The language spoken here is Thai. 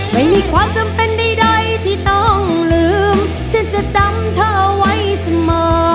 ไม่มีความจำเป็นใดที่ต้องลืมฉันจะจำเธอไว้เสมอ